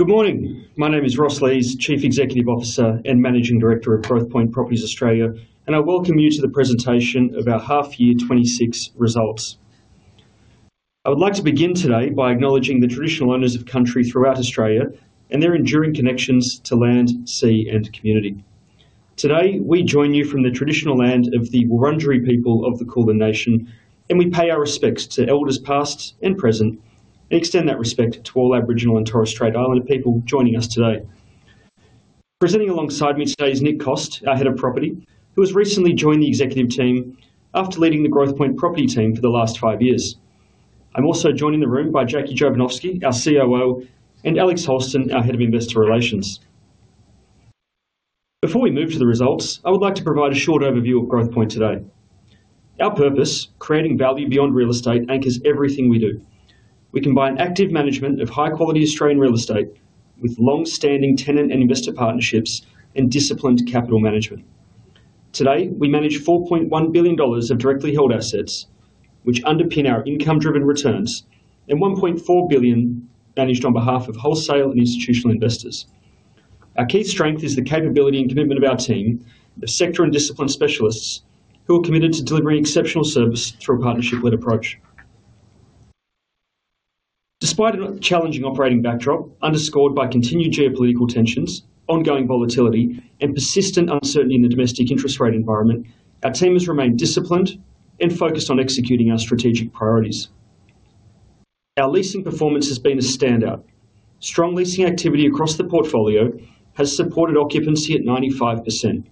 Good morning. My name is Ross Lees, Chief Executive Officer and Managing Director of Growthpoint Properties Australia. I welcome you to the presentation of our half year 26 results. I would like to begin today by acknowledging the traditional owners of country throughout Australia and their enduring connections to land, sea, and community. Today, we join you from the traditional land of the Wurundjeri people of the Kulin Nation. We pay our respects to elders, past and present, and extend that respect to all Aboriginal and Torres Strait Islander people joining us today. Presenting alongside me today is Nick Koustas, our Head of Property, who has recently joined the executive team after leading the Growthpoint property team for the last five years. I'm also joined in the room by Jacqueline Jovanovski, our COO. Alix Holston, our Head of Investor Relations. Before we move to the results, I would like to provide a short overview of Growthpoint today. Our purpose, creating value beyond real estate, anchors everything we do. We combine active management of high-quality Australian real estate with long-standing tenant and investor partnerships and disciplined capital management. Today, we manage 4.1 billion dollars of directly held assets, which underpin our income-driven returns, and 1.4 billion managed on behalf of wholesale and institutional investors. Our key strength is the capability and commitment of our team of sector and discipline specialists, who are committed to delivering exceptional service through a partnership-led approach. Despite a challenging operating backdrop, underscored by continued geopolitical tensions, ongoing volatility, and persistent uncertainty in the domestic interest rate environment, our team has remained disciplined and focused on executing our strategic priorities. Our leasing performance has been a standout. Strong leasing activity across the portfolio has supported occupancy at 95%.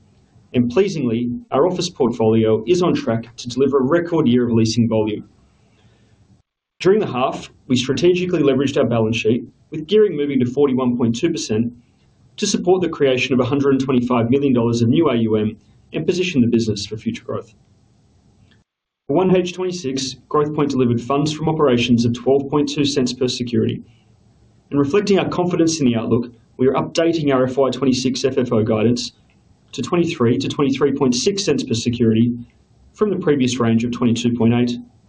Pleasingly, our office portfolio is on track to deliver a record year of leasing volume. During the half, we strategically leveraged our balance sheet, with gearing moving to 41.2% to support the creation of $125 million in new AUM and position the business for future growth. For 1H 2026, Growthpoint delivered funds from operations of 12.2 cents per security. In reflecting our confidence in the outlook, we are updating our FY 2026 FFO guidance to 23-23.6 cents per security, from the previous range of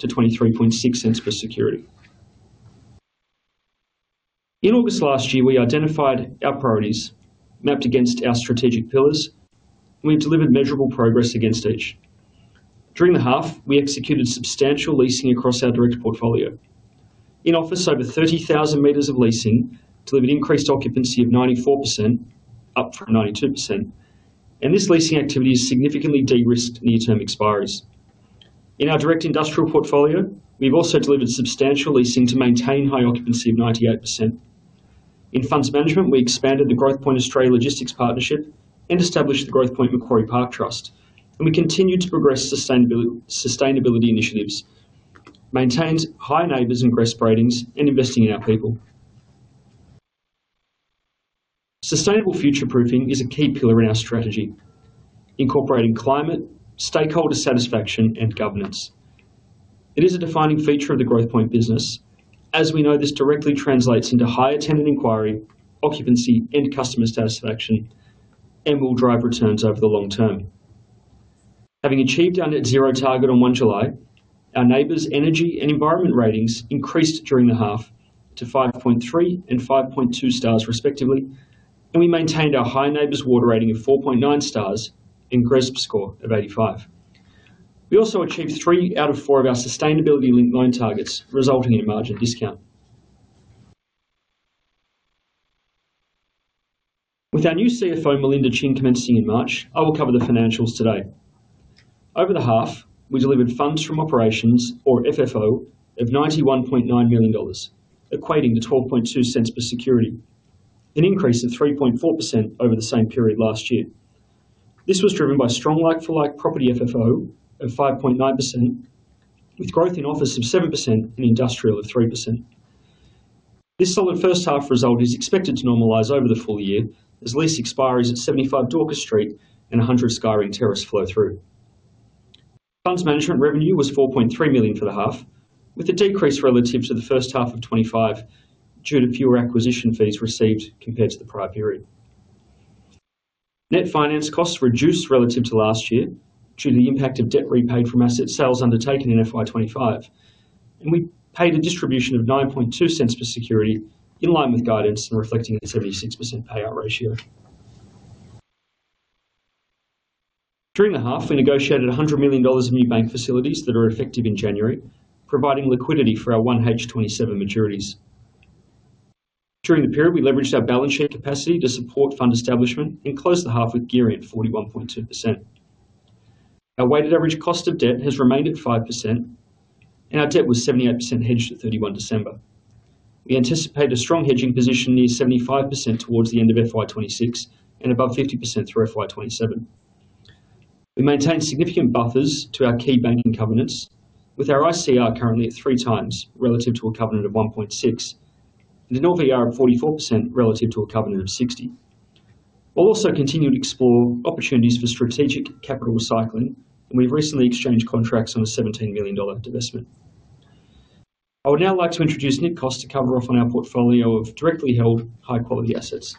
22.8-23.6 cents per security. In August last year, we identified our priorities mapped against our strategic pillars, and we've delivered measurable progress against each. During the half, we executed substantial leasing across our direct portfolio. In office, over 30,000 sq m of leasing delivered increased occupancy of 94%, up from 92%. This leasing activity has significantly de-risked near-term expiries. In our direct industrial portfolio, we've also delivered substantial leasing to maintain high occupancy of 98%. In funds management, we expanded the Growthpoint Australia Logistics Partnership and established the Growthpoint Macquarie Park Trust. We continued to progress sustainability initiatives, maintained high NABERS and GRESB ratings, and investing in our people. Sustainable future-proofing is a key pillar in our strategy, incorporating climate, stakeholder satisfaction, and governance. It is a defining feature of the Growthpoint business. As we know, this directly translates into higher tenant inquiry, occupancy, and customer satisfaction. This will drive returns over the long term. Having achieved our net zero target on 1 July, our NABERS energy and environment ratings increased during the half to 5.3 and 5.2 stars, respectively, and we maintained our high NABERS water rating of 4.9 stars and GRESB score of 85. We also achieved three out of four of our sustainability-linked loan targets, resulting in a margin discount. With our new CFO, Melinda Chin, commencing in March, I will cover the financials today. Over the half, we delivered funds from operations or FFO of 91.9 million dollars, equating to 0.122 per security, an increase of 3.4% over the same period last year. This was driven by strong like-for-like property FFO of 5.9%, with growth in office of 7% and industrial of 3%. This solid first half result is expected to normalize over the full year as lease expiries at 75 Dorcas Street and 100 Skyring Terrace flow through. Funds management revenue was 4.3 million for the half, with a decrease relative to the first half of 2025 due to fewer acquisition fees received compared to the prior period. Net finance costs reduced relative to last year due to the impact of debt repaid from asset sales undertaken in FY 2025. We paid a distribution of 0.092 per security, in line with guidance and reflecting a 36% payout ratio. During the half, we negotiated 100 million dollars in new bank facilities that are effective in January, providing liquidity for our 1H 2027 maturities. During the period, we leveraged our balance sheet capacity to support fund establishment and closed the half with gearing at 41.2%. Our weighted average cost of debt has remained at 5%, and our debt was 78% hedged at 31 December. We anticipate a strong hedging position near 75% towards the end of FY 2026 and above 50% through FY 2027. We maintain significant buffers to our key banking covenants, with our ICR currently at 3 times relative to a covenant of 1.6, and an OR of 44% relative to a covenant of 60. We'll also continue to explore opportunities for strategic capital recycling, and we've recently exchanged contracts on a 17 million dollar divestment. I would now like to introduce Nick Koustas to cover off on our portfolio of directly held high-quality assets.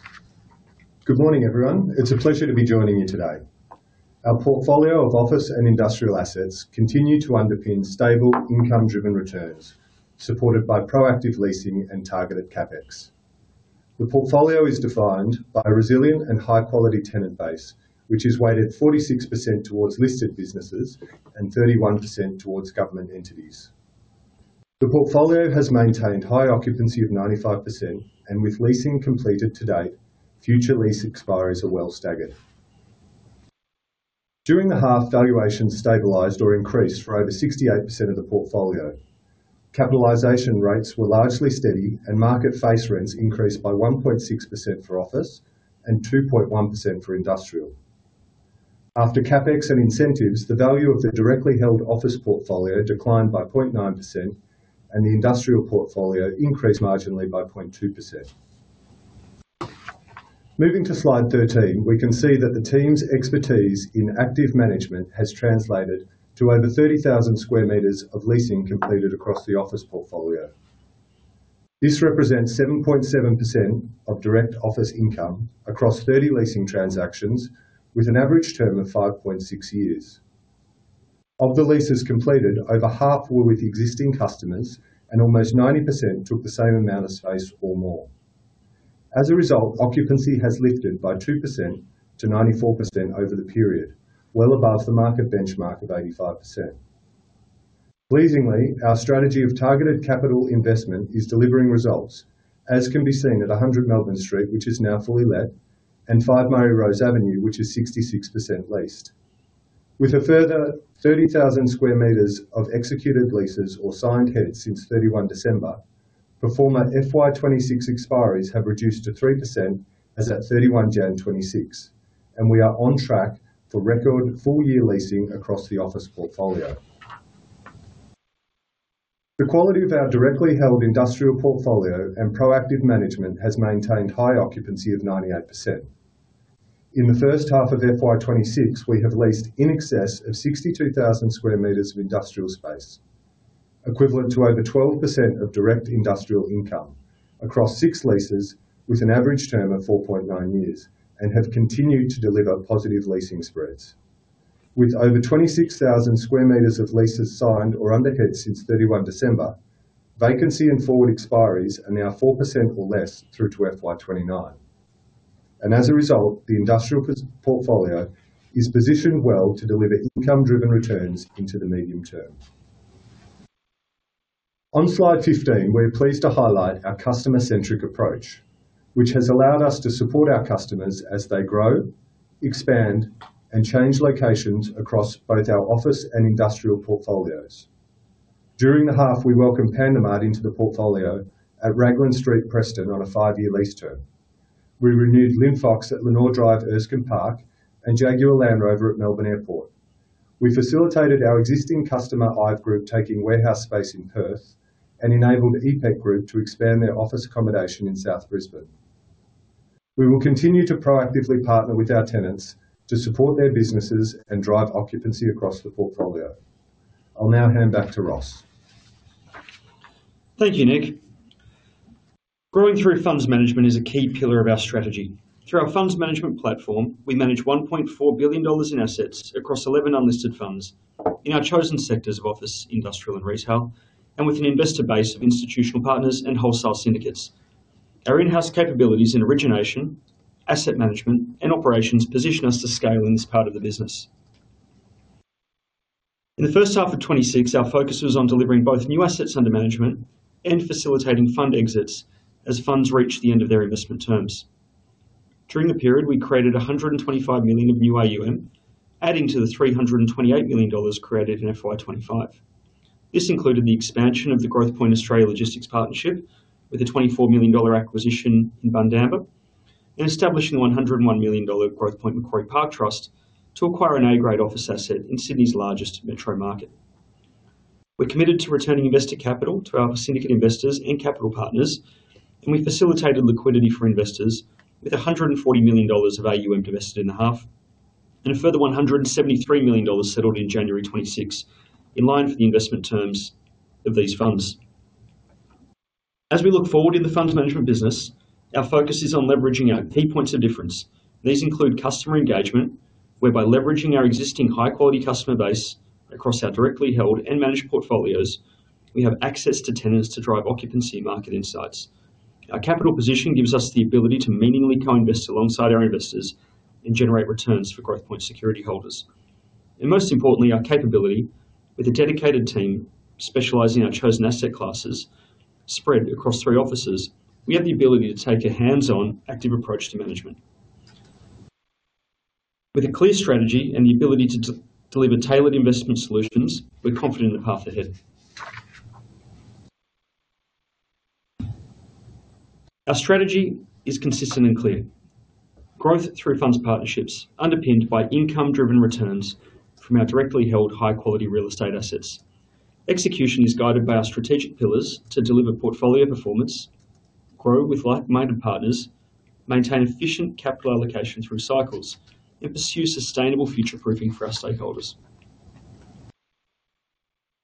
Good morning, everyone. It's a pleasure to be joining you today. Our portfolio of office and industrial assets continue to underpin stable, income-driven returns, supported by proactive leasing and targeted CapEx. The portfolio is defined by a resilient and high-quality tenant base, which is weighted 46% towards listed businesses and 31% towards government entities. The portfolio has maintained high occupancy of 95%, and with leasing completed to date, future lease expiries are well staggered. During the half, valuations stabilized or increased for over 68% of the portfolio. Capitalization rates were largely steady, and market face rents increased by 1.6% for office and 2.1% for industrial. After CapEx and incentives, the value of the directly held office portfolio declined by 0.9%, and the industrial portfolio increased marginally by 0.2%. Moving to slide 13, we can see that the team's expertise in active management has translated to over 30,000 sq m of leasing completed across the office portfolio. This represents 7.7% of direct office income across 30 leasing transactions, with an average term of 5.6 years. Of the leases completed, over half were with existing customers, and almost 90% took the same amount of space or more. As a result, occupancy has lifted by 2% to 94% over the period, well above the market benchmark of 85%. Pleasingly, our strategy of targeted capital investment is delivering results, as can be seen at One Hundred Melbourne Street, which is now fully let, and Five Murray Rose Avenue, which is 66% leased. With a further 30,000 square meters of executed leases or signed heads since 31 December, performer FY 2026 expiries have reduced to 3% as at 31 January 2026, and we are on track for record full-year leasing across the office portfolio. The quality of our directly held industrial portfolio and proactive management has maintained high occupancy of 98%. In the first half of FY 2026, we have leased in excess of 62,000 square meters of industrial space, equivalent to over 12% of direct industrial income across six leases, with an average term of 4.9 years, and have continued to deliver positive leasing spreads. With over 26,000 square meters of leases signed or under head since 31 December, vacancy and forward expiries are now 4% or less through to FY 2029. As a result, the industrial port... portfolio is positioned well to deliver income-driven returns into the medium term. On slide 15, we're pleased to highlight our customer-centric approach, which has allowed us to support our customers as they grow, expand, and change locations across both our office and industrial portfolios. During the half, we welcomed PandaMart into the portfolio at Raglan Street, Preston, on a five-year lease term. We renewed Linfox at Lenore Drive, Erskine Park, and Jaguar Land Rover at Melbourne Airport. We facilitated our existing customer, Hive Group, taking warehouse space in Perth and enabled EPEC Group to expand their office accommodation in South Brisbane. We will continue to proactively partner with our tenants to support their businesses and drive occupancy across the portfolio. I'll now hand back to Ross. Thank you, Nick. Growing through funds management is a key pillar of our strategy. Through our funds management platform, we manage 1.4 billion dollars in assets across 11 unlisted funds in our chosen sectors of office, industrial, and retail, and with an investor base of institutional partners and wholesale syndicates. Our in-house capabilities in origination, asset management, and operations position us to scale in this part of the business. In the first half of 2026, our focus was on delivering both new assets under management and facilitating fund exits as funds reach the end of their investment terms. During the period, we created 125 million in new AUM, adding to the 328 million dollars created in FY 2025. This included the expansion of the Growthpoint Australia Logistics Partnership with an 24 million dollar acquisition in Bundamba and establishing an 101 million dollar Growthpoint Macquarie Park Trust to acquire an A-grade office asset in Sydney's largest metro market. We're committed to returning investor capital to our syndicate investors and capital partners, and we facilitated liquidity for investors with 140 million dollars of AUM divested in the half, and a further 173 million dollars settled in January 2026, in line for the investment terms of these funds. As we look forward in the funds management business, our focus is on leveraging our key points of difference. These include customer engagement, whereby leveraging our existing high-quality customer base across our directly held and managed portfolios, we have access to tenants to drive occupancy and market insights. Our capital position gives us the ability to meaningfully co-invest alongside our investors and generate returns for Growthpoint security holders. Most importantly, our capability with a dedicated team specializing in our chosen asset classes spread across three offices, we have the ability to take a hands-on, active approach to management. With a clear strategy and the ability to deliver tailored investment solutions, we're confident in the path ahead. Our strategy is consistent and clear. Growth through funds partnerships, underpinned by income-driven returns from our directly held, high-quality real estate assets. Execution is guided by our strategic pillars to deliver portfolio performance, grow with like-minded partners, maintain efficient capital allocation through cycles, and pursue sustainable future-proofing for our stakeholders.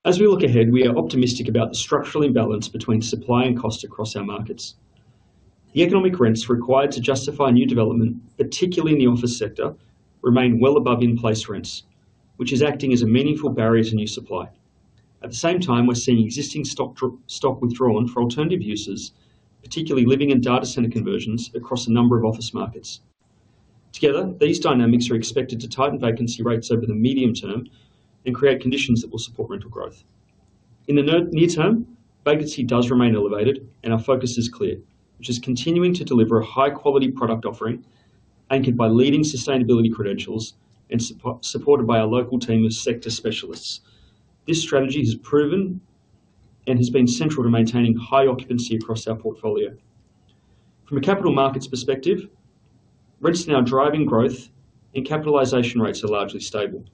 As we look ahead, we are optimistic about the structural imbalance between supply and cost across our markets. The economic rents required to justify new development, particularly in the office sector, remain well above in-place rents, which is acting as a meaningful barrier to new supply. At the same time, we're seeing existing stock withdrawn for alternative uses, particularly living in data center conversions across a number of office markets. Together, these dynamics are expected to tighten vacancy rates over the medium term and create conditions that will support rental growth. In the near term, vacancy does remain elevated and our focus is clear, which is continuing to deliver a high-quality product offering, anchored by leading sustainability credentials and supported by our local team of sector specialists. This strategy has proven and has been central to maintaining high occupancy across our portfolio. From a capital markets perspective, rents are now driving growth and capitalization rates are largely stable.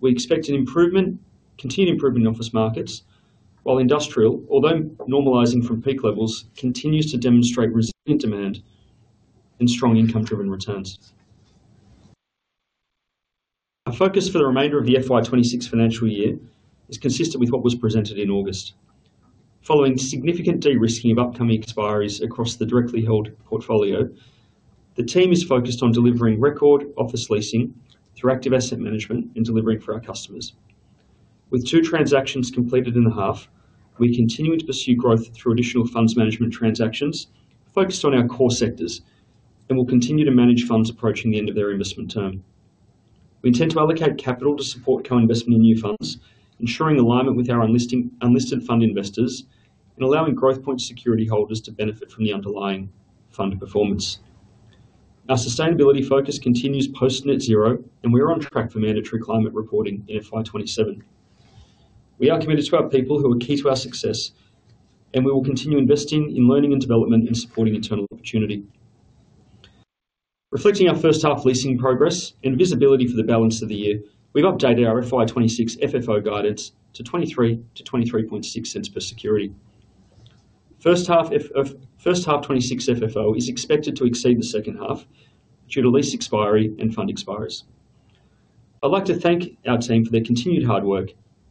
We expect an improvement, continued improvement in office markets, while industrial, although normalizing from peak levels, continues to demonstrate resilient demand and strong income-driven returns. Our focus for the remainder of the FY26 financial year is consistent with what was presented in August. Following significant de-risking of upcoming expiries across the directly held portfolio, the team is focused on delivering record office leasing through active asset management and delivering for our customers. With 2 transactions completed in the half, we continue to pursue growth through additional funds management transactions, focused on our core sectors, and we'll continue to manage funds approaching the end of their investment term. We intend to allocate capital to support co-investment in new funds, ensuring alignment with our unlisted fund investors, and allowing Growthpoint security holders to benefit from the underlying fund performance. Our sustainability focus continues post net zero, and we are on track for mandatory climate reporting in FY 2027. We are committed to our people who are key to our success, and we will continue investing in learning and development and supporting internal opportunity. Reflecting our first half leasing progress and visibility for the balance of the year, we've updated our FY 2026 FFO guidance to 0.23-0.236 per security. First half 2026 FFO is expected to exceed the second half due to lease expiry and fund expires. I'd like to thank our team for their continued hard work,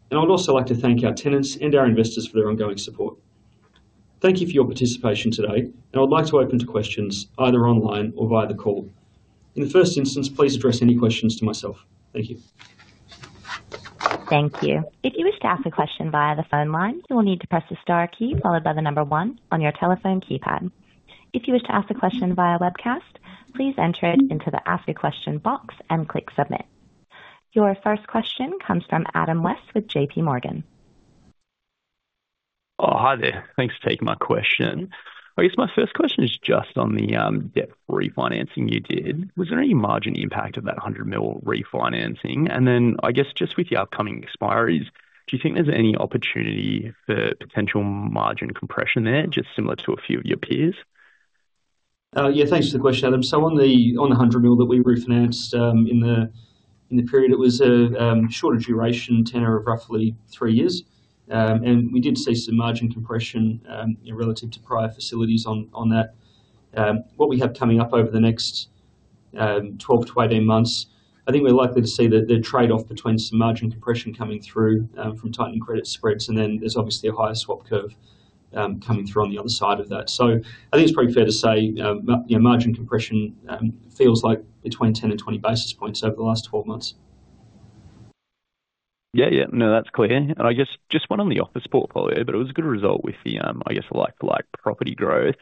and I'd also like to thank our tenants and our investors for their ongoing support. Thank you for your participation today, and I'd like to open to questions either online or via the call. In the first instance, please address any questions to myself. Thank you. Thank you. If you wish to ask a question via the phone line, you will need to press the star key followed by the number one on your telephone keypad. If you wish to ask a question via webcast, please enter it into the Ask a Question box and click Submit. Your first question comes from Adam West with JPMorgan. Oh, hi there. Thanks for taking my question. I guess my first question is just on the debt refinancing you did. Was there any margin impact of that 100 million refinancing? I guess, just with the upcoming expiries, do you think there's any opportunity for potential margin compression there, just similar to a few of your peers? Yeah, thanks for the question, Adam. On the 100 mil that we refinanced, in the period, it was a shorter duration tenor of roughly three years. We did see some margin compression relative to prior facilities on that. What we have coming up over the next 12-18 months, I think we're likely to see the trade-off between some margin compression coming through from tightening credit spreads, and then there's obviously a higher swap curve coming through on the other side of that. I think it's pretty fair to say, you know, margin compression feels like between 10 and 20 basis points over the last 12 months. Yeah, yeah. No, that's clear. I just one on the office portfolio, but it was a good result with the, I guess, like-like property growth.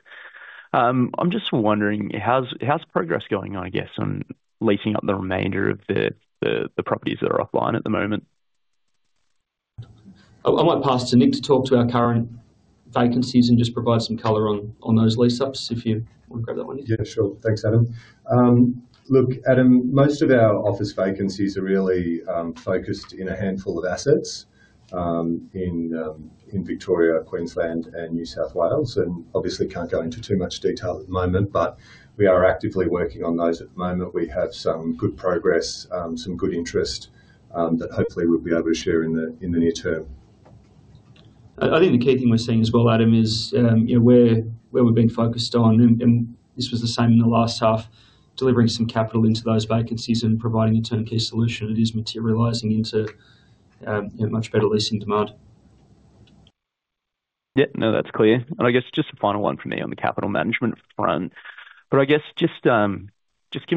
I'm just wondering, how's progress going, I guess, on leasing up the remainder of the properties that are offline at the moment? I might pass to Nick to talk to our current vacancies and just provide some color on those lease-ups, if you want to grab that one. Yeah, sure. Thanks, Adam. look, Adam, most of our office vacancies are really focused in a handful of assets in Victoria, Queensland, and New South Wales. obviously can't go into too much detail at the moment, but we are actively working on those at the moment. We have some good progress, some good interest, that hopefully we'll be able to share in the near term. I think the key thing we're seeing as well, Adam, is, you know, where we're being focused on, and this was the same in the last half, delivering some capital into those vacancies and providing a turnkey solution. It is materializing into a much better leasing demand. Yeah. No, that's clear. I guess just a final one for me on the capital management front. I guess just given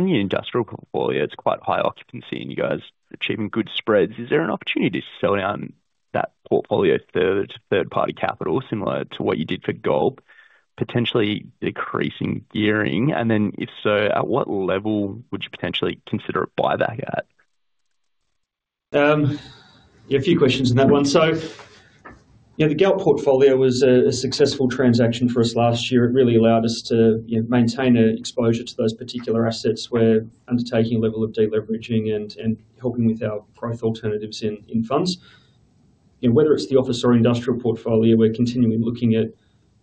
the industrial portfolio, it's quite high occupancy and you guys achieving good spreads, is there an opportunity to sell down that portfolio third-party capital, similar to what you did for GALP, potentially decreasing gearing? If so, at what level would you potentially consider a buyback at? Yeah, a few questions in that one. You know, the GALP portfolio was a successful transaction for us last year. It really allowed us to, you know, maintain an exposure to those particular assets. We're undertaking a level of deleveraging and helping with our growth alternatives in funds. Whether it's the office or industrial portfolio, we're continually looking at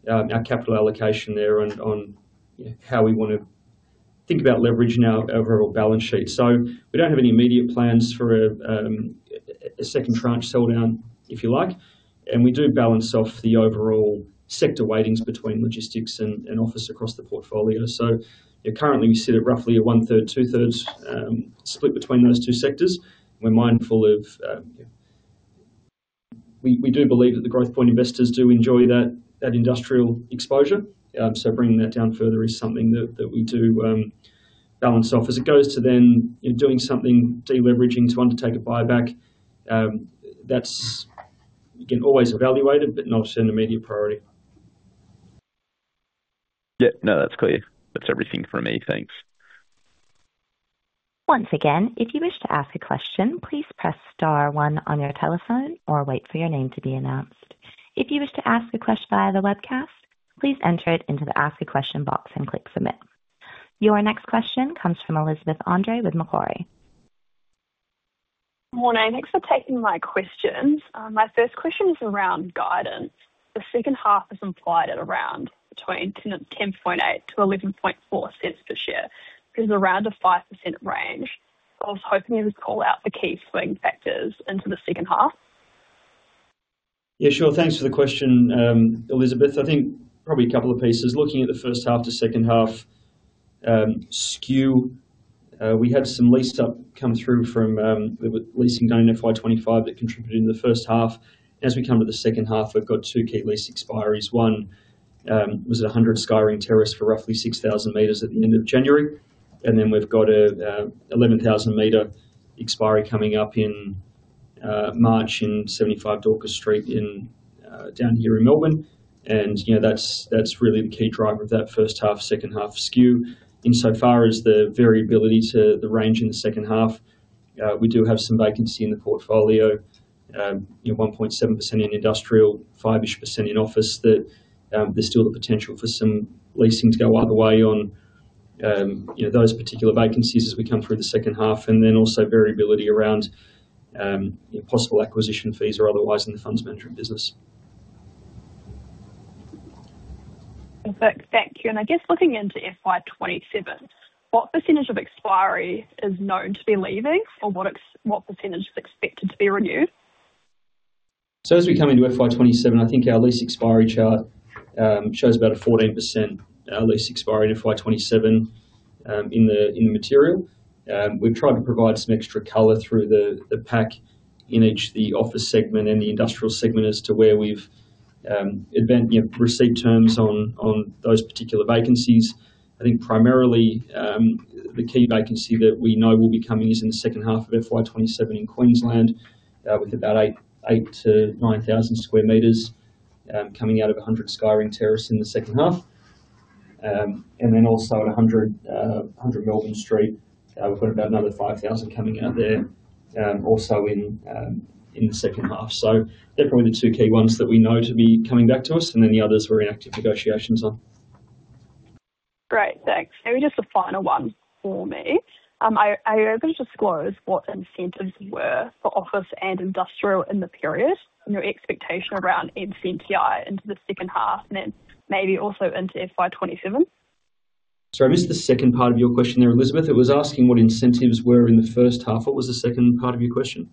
our capital allocation there and on, you know, how we want to think about leverage in our overall balance sheet. We don't have any immediate plans for a second tranche sell-down, if you like. We do balance off the overall sector weightings between logistics and office across the portfolio. Yeah, currently, we sit at roughly a one-third, two-thirds, split between those two sectors. We're mindful of, we do believe that the Growthpoint investors do enjoy that industrial exposure. Bringing that down further is something that we do balance off. As it goes to then, you know, doing something, de-leveraging to undertake a buyback, that's, again, always evaluated, but not an immediate priority. Yeah. No, that's clear. That's everything from me. Thanks. Once again, if you wish to ask a question, please press star one on your telephone or wait for your name to be announced. If you wish to ask a question via the webcast, please enter it into the ask a question box and click submit. Your next question comes from Elizabeth Miliatis with Macquarie. Morning. Thanks for taking my questions. My first question is around guidance. The second half is implied at around between 0.108-0.114 per share, which is around a 5% range. I was hoping you would call out the key swing factors into the second half. Yeah, sure. Thanks for the question, Elizabeth. I think probably a couple of pieces. Looking at the first half to second half skew, we had some leased up come through from the leasing done in FY 2025 that contributed in the first half. As we come to the second half, we've got 2 key lease expiries. One was 100 Skyring Terrace for roughly 6,000 meters at the end of January, and then we've got a 11,000-meter expiry coming up in March in 75 Dorcas Street down here in Melbourne. You know, that's really the key driver of that first half, second half skew. Insofar as the variability to the range in the second half, we do have some vacancy in the portfolio, you know, 1.7% in industrial, 5%-ish in office, that there's still the potential for some leasing to go either way on, you know, those particular vacancies as we come through the second half, and then also variability around possible acquisition fees or otherwise in the funds management business. Perfect. Thank you. I guess looking into FY 2027, what % of expiry is known to be leaving or what % is expected to be renewed? As we come into FY 2027, I think our lease expiry chart shows about a 14% lease expiry to FY 2027 in the material. We've tried to provide some extra color through the pack in each, the office segment and the industrial segment as to where we've, you know, received terms on those particular vacancies. I think primarily, the key vacancy that we know will be coming is in the second half of FY 2027 in Queensland, with about 8,000-9,000 sq m coming out of 100 Skyring Terrace in the second half. And then also at 100 Melbourne Street, we've got about another 5,000 coming out there also in the second half. They're probably the two key ones that we know to be coming back to us, and then the others we're in active negotiations on. Great, thanks. Maybe just a final one for me. Are you able to disclose what the incentives were for office and industrial in the period and your expectation around NCNTI into the second half, maybe also into FY 2027? Sorry, I missed the second part of your question there, Elizabeth. It was asking what incentives were in the first half. What was the second part of your question?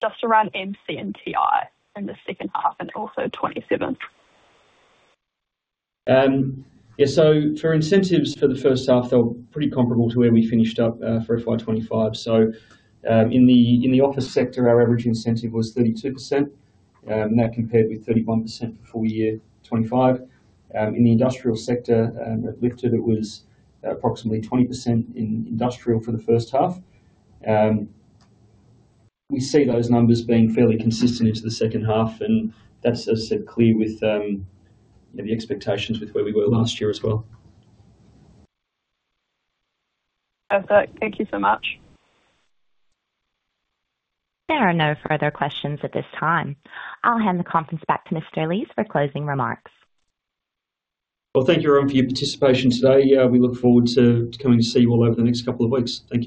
Just around NCNTI in the second half and also 2027. Yeah, for incentives for the first half, they were pretty comparable to where we finished up for FY 25. In the office sector, our average incentive was 32%, and that compared with 31% for full year 25. In the industrial sector, at Lifted, it was approximately 20% in industrial for the first half. We see those numbers being fairly consistent into the second half, and that's, as I said, clear with the expectations with where we were last year as well. Perfect. Thank you so much. There are no further questions at this time. I'll hand the conference back to Mr. Lees for closing remarks. Thank you, everyone, for your participation today. We look forward to coming to see you all over the next couple of weeks. Thank you.